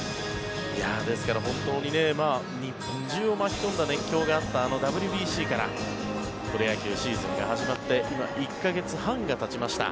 ですから、本当に日本中を巻き込んだ熱狂があったあのＷＢＣからプロ野球、シーズンが始まって今、１か月半がたちました。